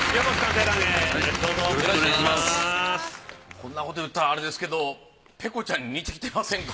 こんなこと言ったらあれですけどペコちゃんに似てきてませんか？